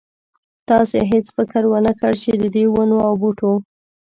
تاسې هېڅ فکر ونه کړ چې ددې ونو او بوټو.